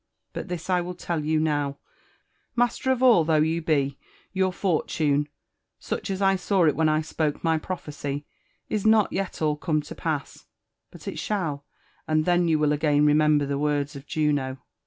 ^Mii But this I will tell you, now : Master of all though you be, your for« tune, such as I saw it when I spoke my prophecy, is not yet all come to pass — but it shall I — and then you will again remember the words ofJnnp!"